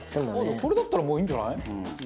「これだったらもういいんじゃない？」